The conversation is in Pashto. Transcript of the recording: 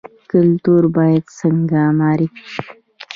کلتور باید څنګه معرفي شي؟